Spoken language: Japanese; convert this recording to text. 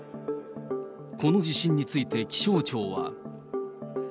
この地震について気象庁は。